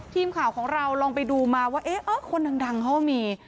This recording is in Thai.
ทีมข่าวของเราลองไปดูมาว่าเอ๊ะคนดังเขาก็มี